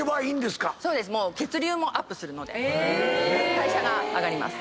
代謝が上がります。